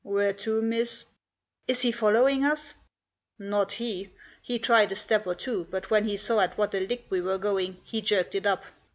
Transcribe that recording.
"Where to, miss?" " Is he following us ?"" Not he. He tried a step or two, but when he saw at what a lick we were going he jerked it up.